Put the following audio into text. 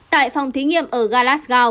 tại phòng thí nghiệm ở galasgao